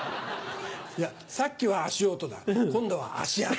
さっきは足音だ今度は足跡。